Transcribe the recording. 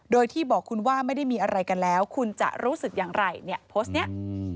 โดยที่บอกคุณว่าไม่ได้มีอะไรกันแล้วคุณจะรู้สึกอย่างไรเนี่ยโพสต์เนี้ยอืม